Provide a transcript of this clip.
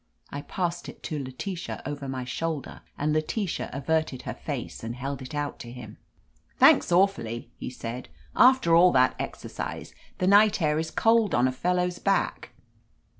I passed it to Letitia over my shoulder, and Letitia averted her face and held it out to him. "Thanks, awfully," he said. "After all that exercise, the night air is cold on a fellow's back."